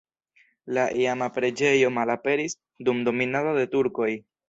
La iama preĝejo malaperis dum dominado de turkoj.